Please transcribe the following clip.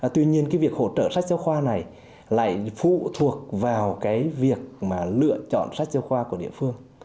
tuy nhiên cái việc hỗ trợ sách giáo khoa này lại phụ thuộc vào cái việc mà lựa chọn sách giáo khoa của địa phương